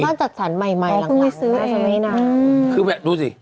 บ้านจัดสรรใหม่หลังคือแบบนู้สิ